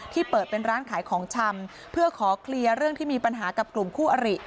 เปิดเป็นร้านขายของชำเพื่อขอเคลียร์เรื่องที่มีปัญหากับกลุ่มคู่อริ